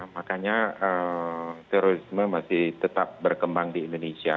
makanya terorisme masih tetap berkembang di indonesia